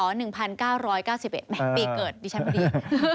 แม่ปีเกิดดิฉันไม่ดี